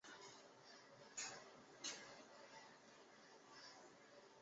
与基隆市政治人物宋玮莉为亲戚关系。